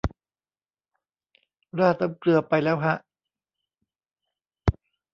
ราดน้ำเกลือไปแล้วฮะ